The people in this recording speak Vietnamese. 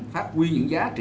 phát huy những giá trị